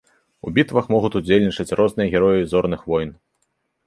У бітвах могуць удзельнічаць розныя героі зорных войн.